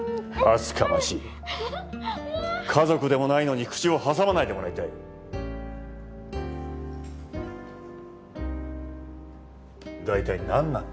厚かましい家族でもないのに口を挟まないでもらいたい大体何なんだ